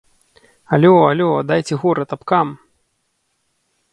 Алё, алё, дайце горад, абкам.